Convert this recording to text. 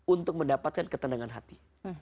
untuk mendapatkan ketenangan hati